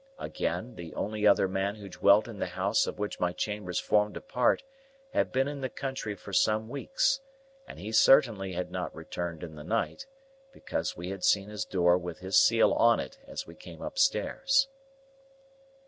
Again, the only other man who dwelt in the house of which my chambers formed a part had been in the country for some weeks, and he certainly had not returned in the night, because we had seen his door with his seal on it as we came upstairs.